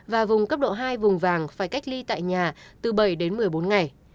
và vùng cấp độ hai vùng vàng phải cách ly tại nhà từ bảy đến một mươi bốn ngày